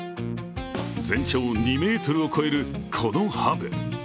全長２ｍを超える、このハブ。